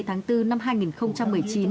ba mươi tháng bốn năm hai nghìn một mươi chín